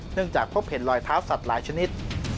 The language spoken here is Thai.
จากพบเห็นรอยเท้าสัตว์หลายชนิด